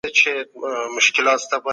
علم د توحيد لاره ده.